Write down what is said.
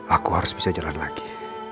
aku harus bisa jalan lagi